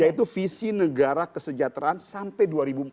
yaitu visi negara kesejahteraan sampai dua ribu empat puluh lima